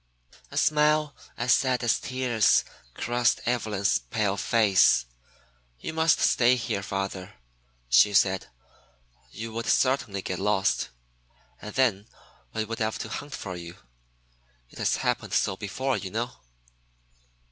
A smile as sad as tears crossed Evelyn's pale face. "You must stay here, father," she said. "You would certainly get lost, and then we would have to hunt for you. It has happened so before, you know."